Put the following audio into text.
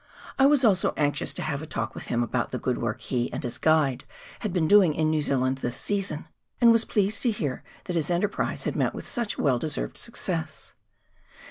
I was also anxious to have a talk with him about the good work he and his guide had been doing in l^ew Zealand this season, and was pleased to hear that his enterprise had met with such well deserved success.